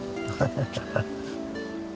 ハハハハハ。